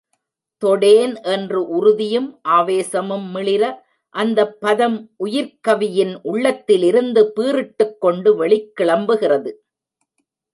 தொடேன் என்று, உறுதியும் ஆவேசமும் மிளிர அந்தப் பதம் உயிர்க்கவியின் உள்ளத்திலிருந்து பீறிட்டுக் கொண்டு வெளிக்கிளம்புகிறது!